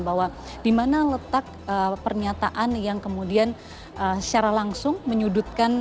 bahwa dimana letak pernyataan yang kemudian secara langsung menyulitkan